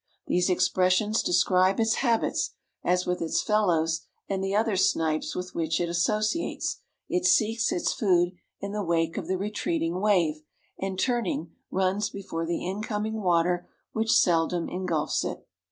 These expressions describe its habits, as with its fellows and the other snipes with which it associates, it seeks its food in the wake of the retreating wave and turning, runs before the incoming water which seldom engulfs it.